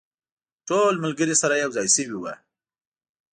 ټول ملګري سره یو ځای شوي وو.